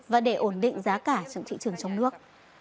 và để ổn định giá cả trong thị trường trong nước